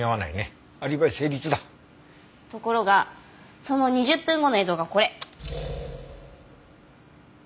ところがその２０分後の映像がこれ。